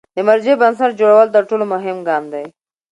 د مرجع بنسټ جوړول تر ټولو مهم ګام دی.